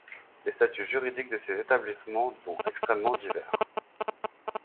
Les statuts juridiques de ces établissements dont extrêmement divers.